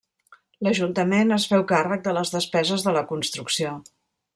L'Ajuntament es féu càrrec de les despeses de la construcció.